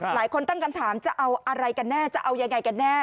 หลายคนตั้งคำถามจะเอาอะไรกันแน่จะเอายังไงกันแน่